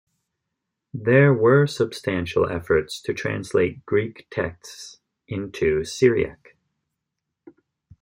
There were substantial efforts to translate Greek texts into Syriac.